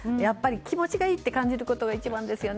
気持ちがいいと感じることが一番ですよね。